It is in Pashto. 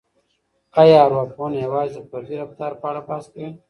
آیا ارواپوهنه یوازې د فردي رفتار په اړه بحث کوي؟